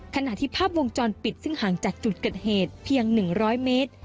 ขณะที่ภาพวงจรปิดซึ่งห่างจากจุดเกิดเหตุเพียง๑๐๐เมตร